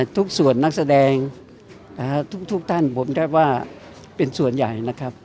ทุกส่วนนักแสดงทุกท่านผมได้ว่าเป็นส่วนใหญ่นะครับ